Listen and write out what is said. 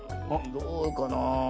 どうかな？